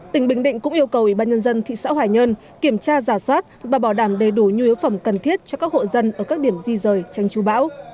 tỉnh bình định cũng yêu cầu ủy ban nhân dân thị xã hoài nhơn kiểm tra giả soát và bảo đảm đầy đủ nhu yếu phẩm cần thiết cho các hộ dân ở các điểm di rời tranh chú bão